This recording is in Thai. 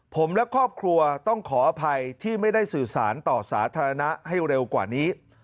ผมและครอบครัวต้องขออภัยที่ไม่ได้สื่อสารต่อสาธารณะให้เร็วกว่านี้